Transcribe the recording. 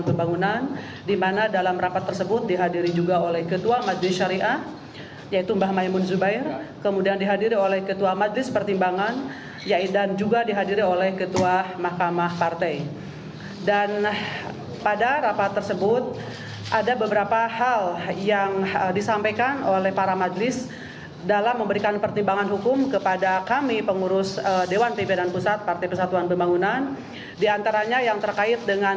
kepada pemerintah saya ingin mengucapkan terima kasih kepada pemerintah pemerintah yang telah menonton